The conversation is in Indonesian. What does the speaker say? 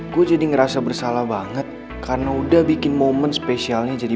gue jadi ngerasa bersalah banget karena udah bikin momen spesialnya jadi